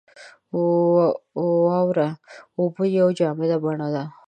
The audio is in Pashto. • واوره د اوبو یوه جامده بڼه ده.